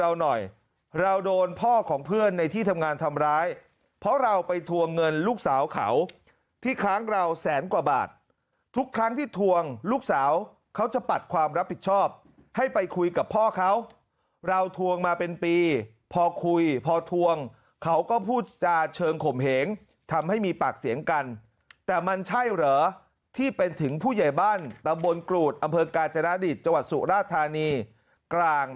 เราหน่อยเราโดนพ่อของเพื่อนในที่ทำงานทำร้ายเพราะเราไปทวงเงินลูกสาวเขาที่ค้างเราแสนกว่าบาททุกครั้งที่ทวงลูกสาวเขาจะปัดความรับผิดชอบให้ไปคุยกับพ่อเขาเราทวงมาเป็นปีพอคุยพอทวงเขาก็พูดจาเชิงข่มเหงทำให้มีปากเสียงกันแต่มันใช่เหรอที่เป็นถึงผู้ใหญ่บ้านตำบลกรูดอำเภอกาญจนดิตจังหวัดสุราธานีกลาง